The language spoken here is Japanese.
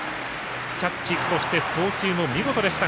キャッチ、送球も見事でした。